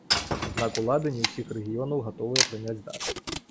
Аднак улады не ўсіх рэгіёнаў гатовыя прыняць дар.